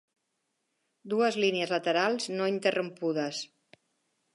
Dues línies laterals no interrompudes.